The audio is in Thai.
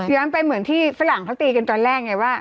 ไปเหมือนที่ฝรั่งเขาตีกันตอนแรกไงว่า